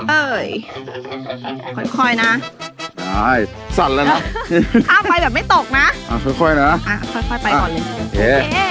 เอ่ยค่อยนะซันละนะค่อยนะน่ะค่อยไปก่อนเลยโอเค